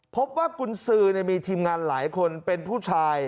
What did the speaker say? กุญสือมีทีมงานหลายคนเป็นผู้ชาย